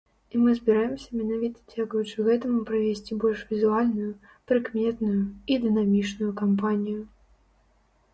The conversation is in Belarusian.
І мы збіраемся менавіта дзякуючы гэтаму правесці больш візуальную, прыкметную і дынамічную кампанію.